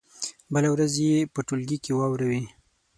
بله ورځ دې یې په ټولګي کې واوروي.